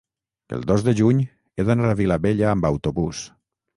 el dos de juny he d'anar a Vilabella amb autobús.